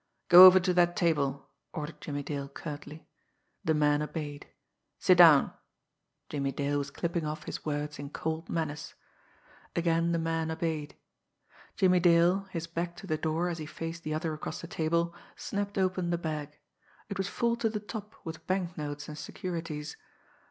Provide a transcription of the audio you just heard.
"Go over to that table!" ordered Jimmie Dale curtly. The man obeyed. "Sit down!" Jimmie Dale was clipping off his words in cold menace. Again the man obeyed. Jimmie Dale, his back to the door as he faced the other across the table, snapped open the bag. It was full to the top with banknotes and securities.